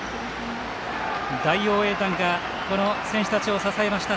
大応援団がこの選手たちを支えました。